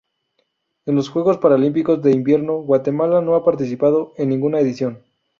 En los Juegos Paralímpicos de Invierno Guatemala no ha participado en ninguna edición.